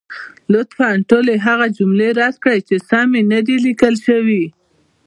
لطفا ټولې هغه جملې رد کړئ، چې سمې نه دي لیکل شوې.